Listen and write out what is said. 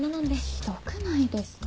ひどくないですか？